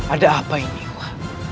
ada apa ini wak